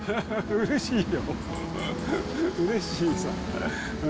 うれしいさ。